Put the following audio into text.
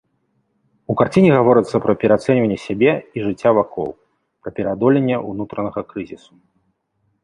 У карціне гаворыцца пра пераацэньванне сябе і жыцця вакол, пра пераадоленне ўнутранага крызісу.